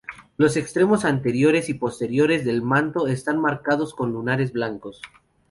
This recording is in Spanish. Los extremos anteriores y posteriores del manto están marcados con lunares blancos.